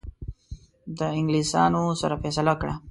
د انګلیسانو سره فیصله کړه.